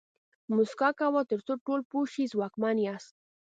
موسکا کوه تر څو ټول پوه شي ځواکمن یاست.